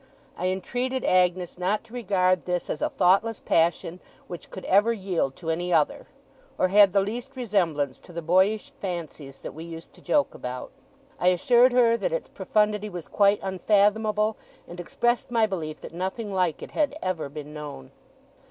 I entreated Agnes not to regard this as a thoughtless passion which could ever yield to any other, or had the least resemblance to the boyish fancies that we used to joke about. I assured her that its profundity was quite unfathomable, and expressed my belief that nothing like it had ever been known.